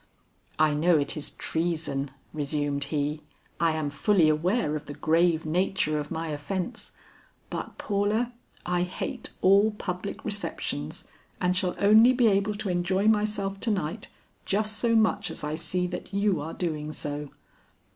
"I know it is treason," resumed he, "I am fully aware of the grave nature of my offence; but Paula I hate all public receptions, and shall only be able to enjoy myself to night just so much as I see that you are doing so.